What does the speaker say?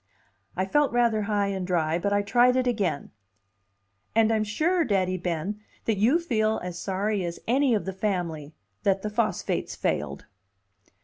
I felt rather high and dry, but I tried it again: "And I'm sure, Daddy Ben, that you feel as sorry as any of the family that the phosphates failed."